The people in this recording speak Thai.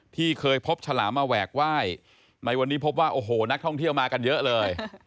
ที่เคยพบฉลามมาแหวกไหว้ในวันนี้พบว่าโอ้โหนักท่องเที่ยวมากันเยอะเลย